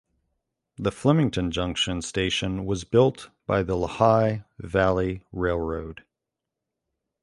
The Flemington Junction station was built by the Lehigh Valley Railroad.